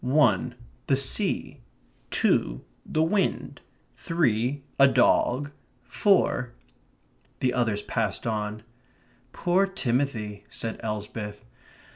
"One, the sea; two, the wind; three, a dog; four ..." The others passed on. "Poor Timothy," said Elsbeth.